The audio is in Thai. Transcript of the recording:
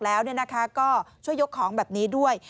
แล้วก็ช่วยยกของแบบนี้ด้วย